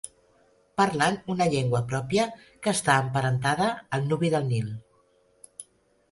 Parlen una llengua pròpia que està emparentada al nubi del Nil.